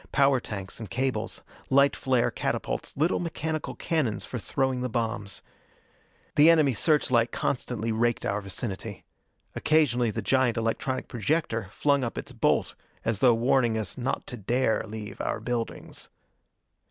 Power tanks and cables. Light flare catapults little mechanical cannons for throwing the bombs. The enemy search light constantly raked our vicinity. Occasionally the giant electronic projector flung up its bolt as though warning us not to dare leave our buildings.